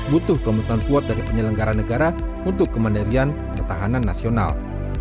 butuh komitmen kuat dari penyelenggara negara untuk kemandirian pertahanan nasional